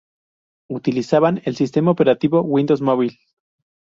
Utilizaban el sistema operativo Windows Mobile.